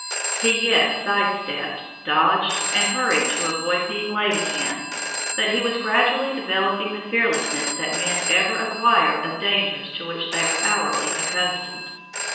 He yet side stepped, dodged, and hurried to avoid being late again, but he was gradually developing the fearlessness that men ever acquire of dangers to which they are hourly accustomed.